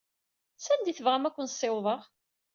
Sanda ay tebɣam ad ken-ssiwḍeɣ.